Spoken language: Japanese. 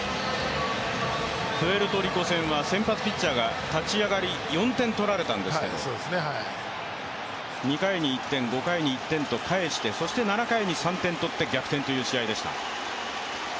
プエルトリコ戦は先発ピッチャーが立ち上がり、４点取られたんですけど２回に１点、５回に１点と返してそして７回に３点取って逆転という試合でした。